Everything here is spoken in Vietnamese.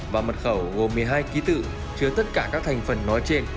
và mật khẩu gồm một mươi hai ký tự chứa tất cả các thành phần nói trên